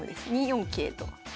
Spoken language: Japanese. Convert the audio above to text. ２四桂と。